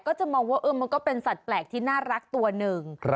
ก็จะมองว่ามันก็เป็นสัตว์แปลกที่น่ารักตัวหนึ่ง